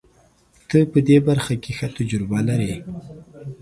ته په دې برخه کې ښه تجربه لرې.